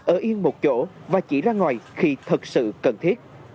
ở yên một chỗ và chỉ ra ngoài khi thật sự cần thiết